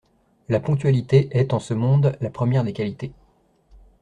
La ponctualité est, en ce monde, la première des qualités.